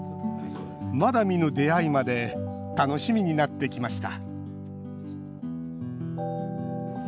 まだ見ぬ出会いまで楽しみになってきました